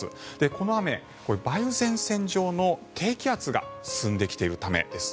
この雨、梅雨前線上の低気圧が進んできているためです。